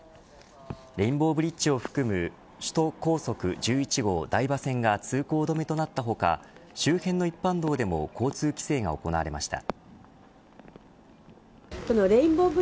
レインボーブリッジを含む首都高速１１号・台場線が通行止めとなった他周辺の一般道でも交通規制が行われました。